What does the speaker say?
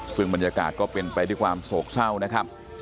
ซึ่งบรรยากาศก็เป็นไปด้วยความโศกเศร้านะครับ